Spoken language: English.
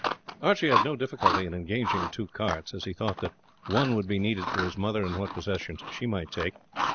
Archie had no difficulty in engaging two carts, as he thought that one would be needed for his mother and what possessions she might take.